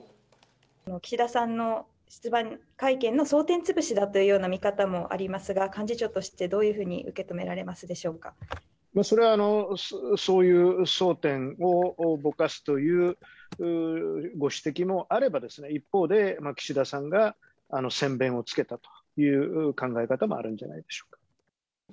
岸田さんの出馬会見の争点潰しだという見方もありますが、幹事長としてどういうふうに受けそういう争点をぼかすというご指摘もあればですね、一方で、岸田さんが先べんをつけたという考え方もあるんじゃないでしょうか。